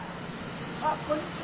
あっこんにちは。